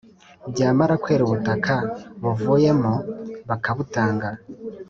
byamara kwera ubutaka buvuyemo bakabutanga